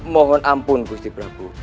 mohon ampun gusti prabu